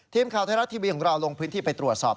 ทีมข่าวไทยรัฐทีวีของเราลงพื้นที่ไปตรวจสอบ